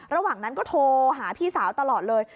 ระหว่างนั้นก็โทรหาพี่สาวตลอดเลย